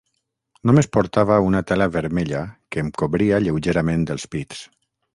Només portava una tela vermella que em cobria lleugerament els pits.